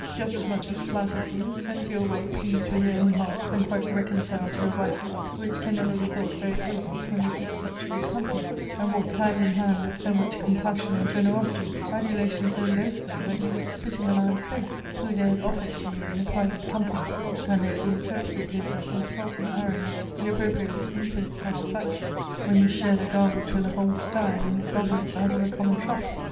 just as much as flatters you, sends you away pleased with your own hearts, and quite reconciled to your vices, which can never be thought very ill of, when they keep such good company, and walk hand in hand with so much compassion and generosity; adulation so loathsome, that you would spit in the man's face who dared offer it to you in a private company, unless you interpreted it as insulting irony, you appropriate with infinite satisfaction, when you share the garbage with the whole stye, and gobble it out of a common trough.